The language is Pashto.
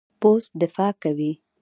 پوست دفاع کوي.